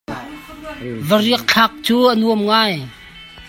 Variah thlak cu a nuam ngai.